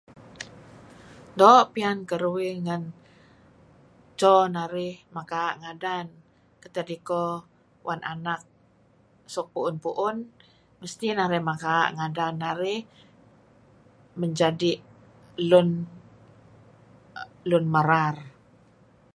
Doo' piyan keruih ngan cho narih mekaa' ngadan. Ketad iko wan anak suk pu'un-pu'un mesti narih mekaa' ngadan narih menjadi lun lun merar